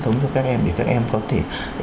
sống cho các em để các em có thể